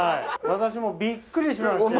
私もびっくりしまして。